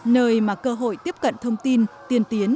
nơi mà cơ hội tiếp cận thông tin tiên tiến